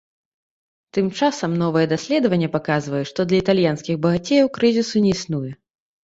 Тым часам новае даследаванне паказвае, што для італьянскіх багацеяў крызісу не існуе.